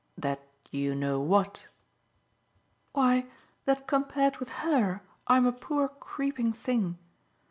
"That you know what?" "Why that compared with her I'm a poor creeping thing.